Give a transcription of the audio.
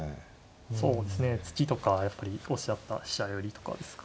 そうですね突きとかやっぱりおっしゃった飛車寄りとかですかね。